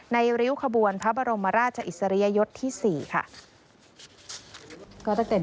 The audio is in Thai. ริ้วขบวนพระบรมราชอิสริยยศที่๔ค่ะ